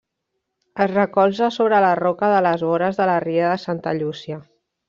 Es recolza sobre la roca de les vores de la riera de Santa Llúcia.